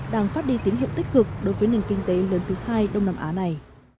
đang phát đi tín hiệu tích cực đối với nền kinh tế lớn thứ hai đông nam á này